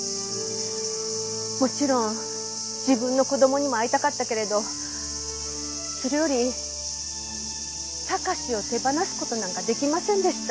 もちろん自分の子供にも会いたかったけれどそれより貴史を手放す事なんかできませんでした。